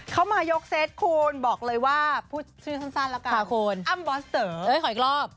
เขามายกเซตคุณบอกเลยว่าพูดชื่อสั้นละกันค่ะคุณอ้ำบอสเตอร์เอ้ยขออีกรอบ